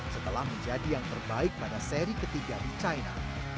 setelah menjadi yang terbaik pada seri ketiga di china